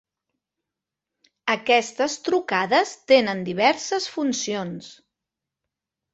Aquestes trucades tenen diverses funcions.